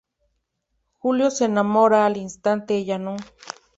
Julio se enamora al instante, ella no.